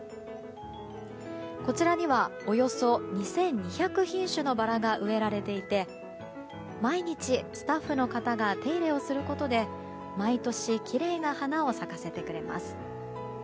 こちらにはおよそ２２００品種のバラが植えられていて毎日、スタッフの方が手入れをすることで毎年きれいな花を咲かせてくれます。